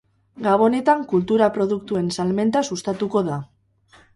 Gabonetan kultura produktuen salmenta sustatuko da.